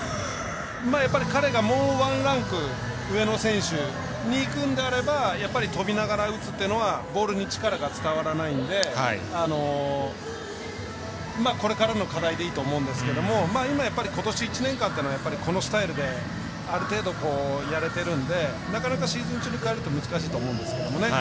また彼がもうワンランク上の選手にいくのであれば跳びながら打つっていうのはボールに、力が伝わらないのでこれからの課題でいいと思うんですけど今、ことし１年間というのはこのスタイルである程度やれてるのでなかなかシーズン中に変えると難しいと思うんでね。